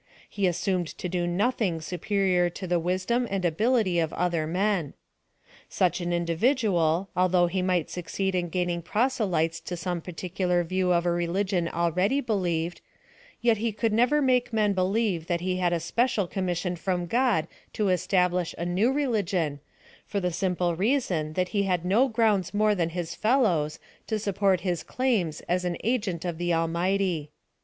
He assumed to do nothing superior to the wisdom and ability of other men. Such an individual, although he might succeed in gaining proselytes to some particular view of a religion already believed, yet he could never make men believe that he had a special com mission from God to establish a new religion, for the simple reason that he had no grounds more than his fellows, to support his claims as an agent of the Almighty.